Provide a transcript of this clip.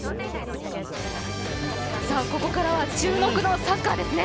ここからは注目のサッカーですね。